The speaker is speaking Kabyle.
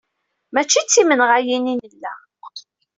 Mačči d timenɣayin i nella.